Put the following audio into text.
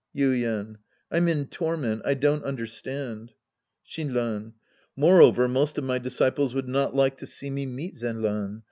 Yuien. I'm in torment. I don't understand. Shinran. Moreover most of my disciples would not like to see me meet Zenran.